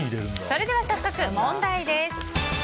それでは早速、問題です。